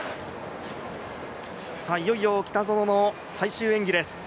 いよいよ北園の最終演技です。